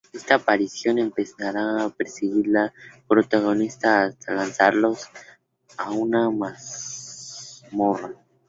Esta aparición empezará a perseguir al protagonista hasta lanzarlo a una mazmorra.